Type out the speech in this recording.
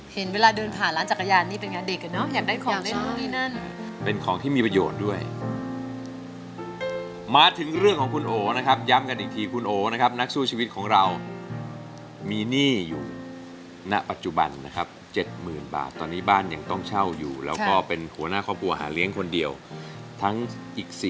เห็นเวลาเดินผ่านหลานจักรยานนี้เป็นงานเด็ก